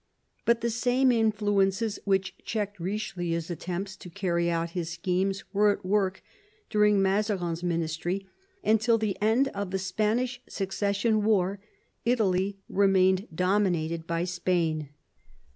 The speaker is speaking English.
But the same influences which checked Riche lieu's attempts to carry out his schemes were at work during Mazarin's ministry, and till the end of the Spanish Succession War Italy remained dominated by Spain.